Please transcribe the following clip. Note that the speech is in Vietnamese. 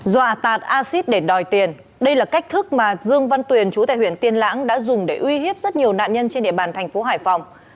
dọa tạt acid để đòi tiền đây là cách thức mà dương văn tuyền chú tại huyện tiên lãng đã dùng để uy hiếp rất nhiều nạn nhân trên địa bàn thành phố hải phòng